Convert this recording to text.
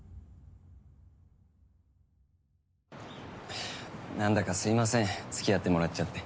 はぁ何だかすいませんつきあってもらっちゃって。